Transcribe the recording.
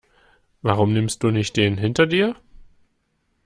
Warum nimmst du nicht den hinter dir?